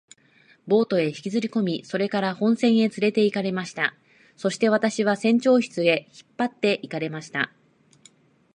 ボートへ引きずりこみ、それから本船へつれて行かれました。そして私は船長室へ引っ張って行かれました。